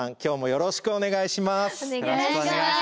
よろしくお願いします。